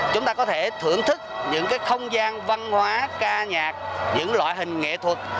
chúng ta có thể thưởng thức những cái không gian văn hóa ca nhạc những loại hình nghệ thuật